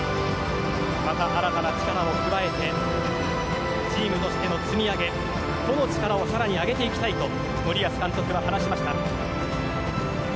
また新たな力を加えてチームとしての積み上げ個の力も更に上げていきたいと森保監督は話しました。